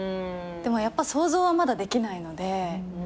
でもやっぱ想像はまだできないので。